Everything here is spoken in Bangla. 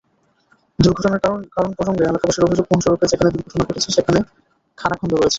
দুর্ঘটনার কারণ প্রসঙ্গে এলাকাবাসীর অভিযোগ, মহাসড়কের যেখানে দুর্ঘটনা ঘটেছে সেখানে খানাখন্দ হয়েছে।